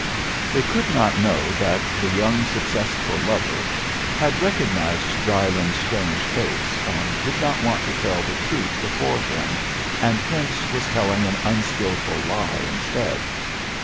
They could not know that the young successful lover had recognized Drylyn's strange face, and did not want to tell the truth before him, and hence was telling an unskilful lie instead.